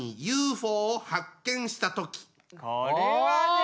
これはね。